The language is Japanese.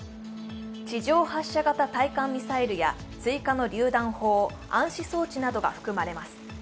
地上発射型対艦ミサイルや追加のりゅう弾砲、暗視装置などが含まれます。